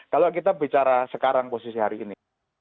kalau kita bicara sekarang posisi hari ini